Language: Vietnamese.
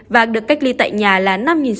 và được cách ly tại nhà là năm sáu trăm một mươi chín